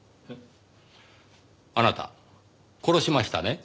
あなた殺しましたね？